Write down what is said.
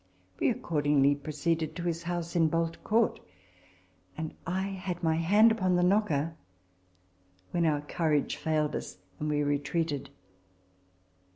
We accordingly proceeded to his house in Bolt Court ; and I had my hand on the knocker, when our courage failed us, and we retreated.